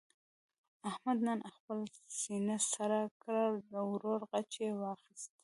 احمد نن خپله سینه سړه کړه. د ورور غچ یې واخیست.